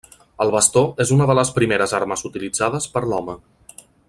El bastó és una de les primeres armes utilitzades per l'home.